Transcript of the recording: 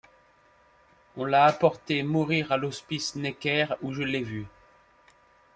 On l’a apporté mourir à l’hospice Necker, où je l’ai vu.